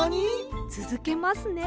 つづけますね。